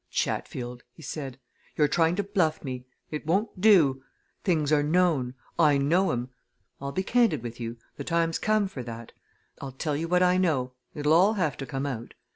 "Chatfield!" he said. "You're trying to bluff me. It won't do. Things are known. I know 'em! I'll be candid with you the time's come for that. I'll tell you what I know it'll all have to come out.